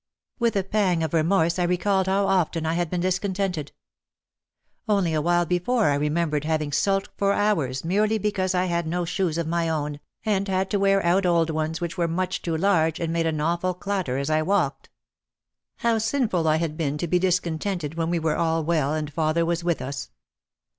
With a pang of remorse I recalled how often I had been discontented. Only a while before I remembered having sulked for hours merely because I had no shoes of my own, and had to wear out old ones which were much too large and made an awful clatter as I walked. 20 OUT OF THE SHADOW How sinful I had been to be discontented when we were all well and father was with us.